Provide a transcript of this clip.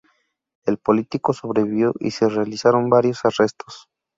El político sobrevivió y se realizaron varios arrestos.